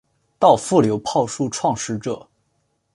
稻富流炮术创始者。